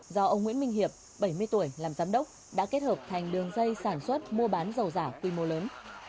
do ông nguyễn minh hiệp bảy mươi tuổi làm giám đốc đã kết hợp thành đường dây sản xuất mua bán dầu giả quy mô lớn